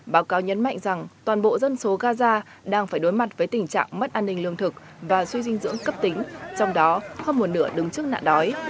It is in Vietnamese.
báo cáo nhấn mạnh rằng toàn bộ dân số gaza đang phải đối mặt với tình trạng mất an ninh lương thực và suy dinh dưỡng cấp tính trong đó không một nửa đứng trước nạn đói